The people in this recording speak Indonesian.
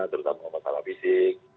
terutama masalah fisik